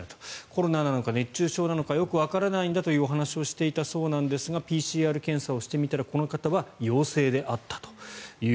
コロナなのか熱中症なのかよくわからないんだという話をしていたそうなんですがＰＣＲ検査をしてみたらこの方は陽性であったと。